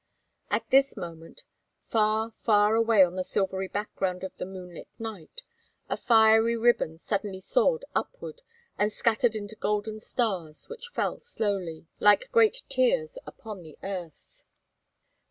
At this moment far, far away on the silvery background of the moonlit night, a fiery ribbon suddenly soared upward and scattered into golden stars, which fell slowly, like great tears, upon the earth.